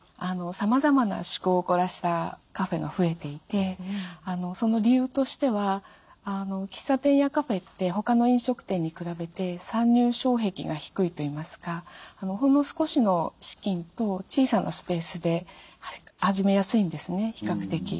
さまざまな趣向を凝らしたカフェが増えていてその理由としては喫茶店やカフェって他の飲食店に比べて参入障壁が低いといいますかほんの少しの資金と小さなスペースで始めやすいんですね比較的。